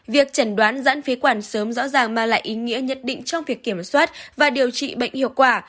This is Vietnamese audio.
việc chẩn đoán giãn phí quản sớm rõ ràng mang lại ý nghĩa nhất định trong việc kiểm soát và điều trị bệnh hiệu quả